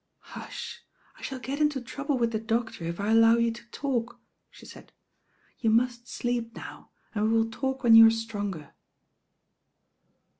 Hush I I shaU get into trouble with the doctor If I aUow you to talk," she said. "You must sleep now, and we will talk whea you are stronger."